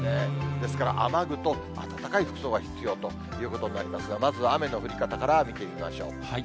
ですから雨具と暖かい服装が必要ということになりますが、まず雨の降り方から見ていきましょう。